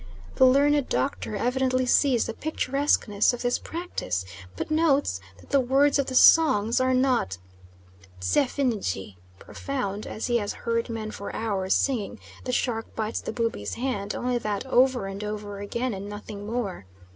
The learned doctor evidently sees the picturesqueness of this practice, but notes that the words of the songs are not "tiefsinnige" (profound), as he has heard men for hours singing "The shark bites the Bubi's hand," only that over and over again and nothing more.